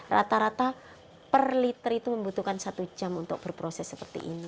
rata rata per liter itu membutuhkan satu jam untuk berproses seperti ini